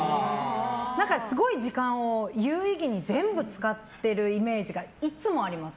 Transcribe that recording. すごい時間を有意義に全部使ってるイメージがいつもあります。